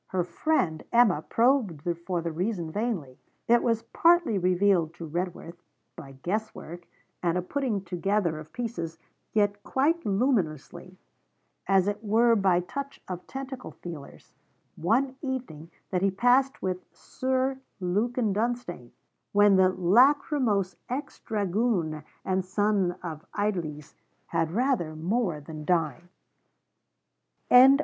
Her friend Emma probed for the reason vainly. It was partly revealed to Redworth, by guess work and a putting together of pieces, yet quite luminously, as it were by touch of tentacle feelers one evening that he passed with Sir Lukin Dunstane, when the lachrymose ex dragoon and son of Idlesse, had rather more than dined.